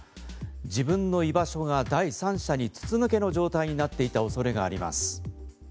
自分の居場所が第三者に筒抜けの状態になっていた恐れがあります。